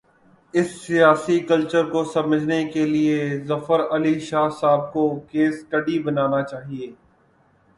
اس سیاسی کلچر کو سمجھنے کے لیے، ظفر علی شاہ صاحب کو "کیس سٹڈی" بنا نا چاہیے۔